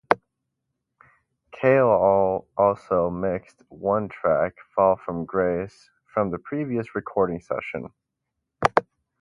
Cale also mixed one track, "Fall from Grace", from the previous recording session.